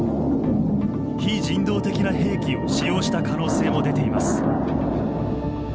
非人道的な兵器を使用した可能性も出ています。